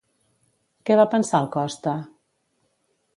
Què va pensar el Costa?